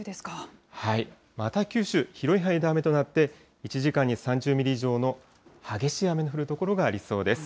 また九州、広い範囲で雨となって、１時間に３０ミリ以上の激しい雨の降る所がありそうです。